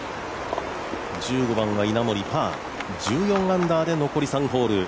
１５番は稲森パー、１４アンダーで残り３ホール。